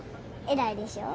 偉いでしょ？